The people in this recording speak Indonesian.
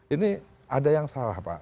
ini ada yang salah pak